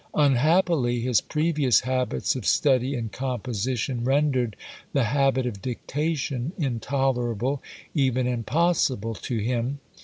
Unhappily, his previous habits of study and composition rendered the habit of dictation intolerable, even impossible to him.